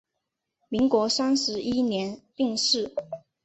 民国三十一年病逝。